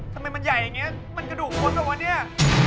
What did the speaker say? ทำไมมันใหญ่อย่างนี้มันกระดูกคนเหรอวะเนี่ย